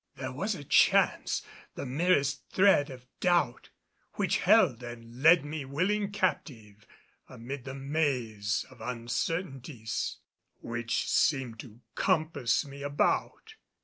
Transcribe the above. There was a chance the merest thread of doubt which held and led me willing captive amid the maze of uncertainties which seemed to compass me about.